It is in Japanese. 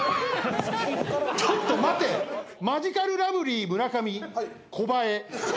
ちょっと待てマヂカルラブリー村上「コバエ」